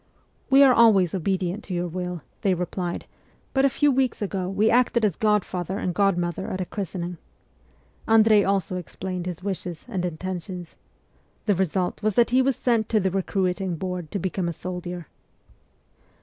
' We are always obedient to your will,' they replied, ' but a few weeks ago we acted as godfather and god mother at a christening.' Andrei also explained his wishes and intentions. The result was that he was sent to the recruiting board to become a soldier.